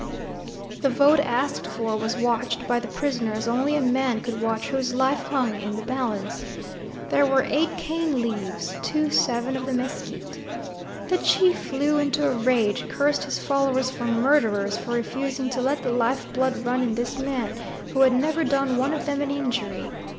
The vote asked for was watched by the prisoner as only a man could watch whose life hung in the balance. There were eight cane leaves to seven of the mesquite. The chief flew into a rage, cursed his followers for murderers for refusing to let the life blood run in this man, who had never done one of them an injury.